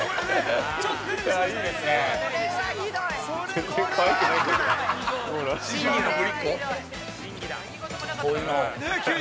◆全然かわいくないかも。